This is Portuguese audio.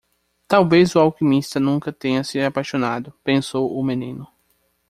Talvez o alquimista nunca tenha se apaixonado, pensou o menino.